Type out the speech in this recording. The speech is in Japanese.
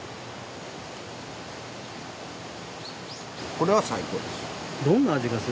これは最高です。